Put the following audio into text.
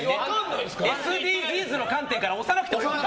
ＳＤＧｓの観点から押さなくてもね。